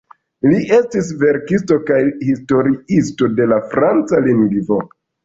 Li estis verkisto kaj historiisto de la franca lingvo.